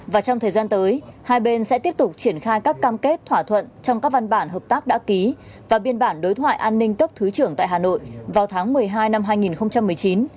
và trong thời gian tới hai bên sẽ tiếp tục triển khai các cam kết thỏa thuận trong các văn bản hợp tác đã ký và biên bản đối thoại an ninh cấp thứ trưởng tại hà nội vào tháng một mươi hai năm hai nghìn một mươi chín